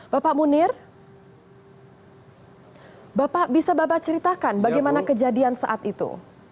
bapak munir bisa bapak ceritakan bagaimana kejadian saat itu